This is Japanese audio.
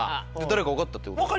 誰か分かったってこと？